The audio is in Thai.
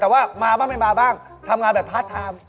แต่ว่ามาบ้างไม่มาบ้างทำงานแบบพาร์ทไทม์